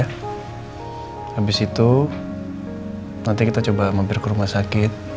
habis itu nanti kita coba mampir ke rumah sakit